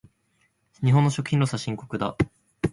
日本の食品ロスは深刻だ。